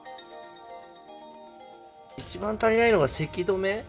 一番足りないのがせき止め。